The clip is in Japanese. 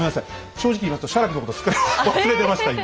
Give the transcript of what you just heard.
正直言いますと写楽のことすっかり忘れてました今。